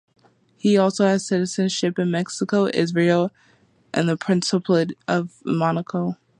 He also has citizenship in Mexico, Israel and in the principality of Monaco.